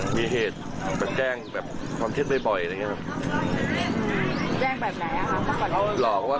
มีเหตุแจ้งแบบความเท็จบ่อยแบบนี้ครับ